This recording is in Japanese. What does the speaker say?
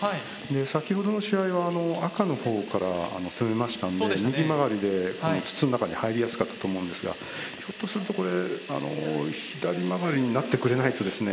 先ほどの試合は赤の方から攻めましたんで右曲がりで筒の中に入りやすかったと思うんですがひょっとするとこれ左曲がりになってくれないとですね